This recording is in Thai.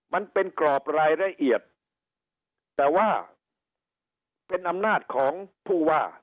มันเป็นกรอบรายละเอียดแต่ว่าเป็นอำนาจของผู้ว่า